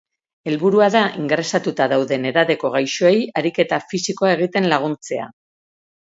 Helburua da ingresatuta dauden edadeko gaixoei ariketa fisikoa egiten laguntzea.